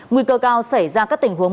nguy cơ cao xảy ra các tình huống